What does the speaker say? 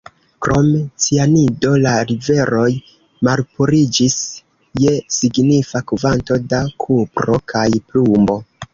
Krom cianido la riveroj malpuriĝis je signifa kvanto da kupro kaj plumbo.